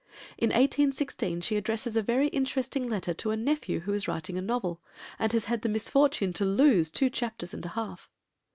In 1816 she addresses a very interesting letter to a nephew who is writing a novel, and has had the misfortune to lose two chapters and a half!